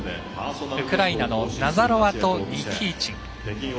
ウクライナのナザロワとニキーチン。